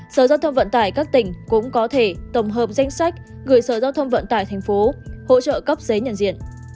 sở giao thông vận tải các tỉnh cũng có thể tổng hợp danh sách gửi sở giao thông vận tải thành phố hỗ trợ cấp giấy nhận diện